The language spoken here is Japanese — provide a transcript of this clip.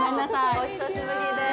お久しぶりです。